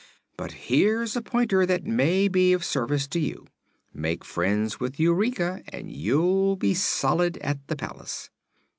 "But here's a pointer that may be of service to you: make friends with Eureka and you'll be solid at the palace."